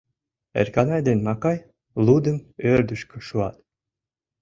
Эрканай ден Макай лудым ӧрдыжкӧ шуат.